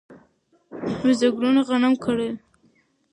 بزګرو غنم کرلی و.